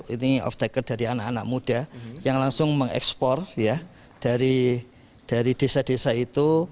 ini off taker dari anak anak muda yang langsung mengekspor dari desa desa itu